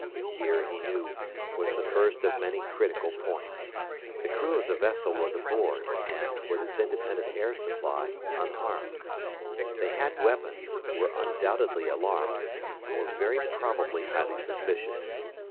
Here, he knew, was the first of many critical points. The crew of the vessel was aboard, and, with its independent air supply, unharmed. They had weapons, were undoubtedly alarmed, and were very probably highly suspicious.